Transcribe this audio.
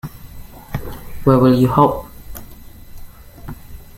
Where will you hop?